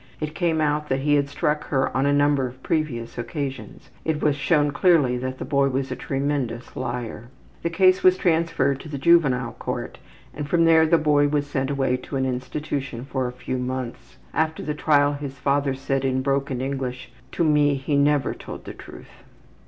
It came out that he had struck her on a number of previous occasions. It was shown clearly that the boy was a tremendous liar. The case was transferred to the Juvenile Court and from there the boy was sent away to an institution for a few months. After the trial his father said in broken English, ``To me he never told the truth.''